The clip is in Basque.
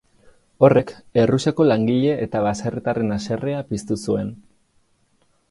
Horrek, Errusiako langile eta baserritarren haserrea piztu zuen.